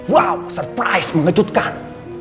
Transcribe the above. wow surprise mengejutkan